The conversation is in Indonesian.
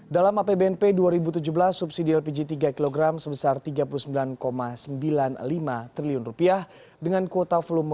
dalam apbnp dua ribu tujuh belas subsidi lpg tiga kg sebesar rp tiga puluh sembilan sembilan puluh lima triliun dengan kuota volume